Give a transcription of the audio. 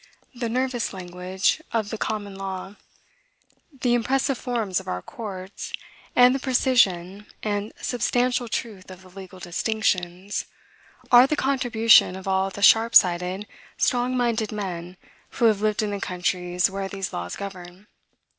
The nervous language of the Common Law, the impressive forms of our courts, and the precision and substantial truth of the legal distinctions, are the contribution of all the sharp sighted, strong minded men who have lived in the countries where these laws govern.